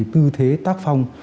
tư thế tác phong